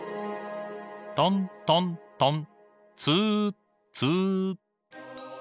トントントンツーツー。